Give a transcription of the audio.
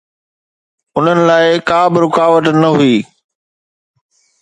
انهن لاءِ ڪا به رڪاوٽ نه هئي.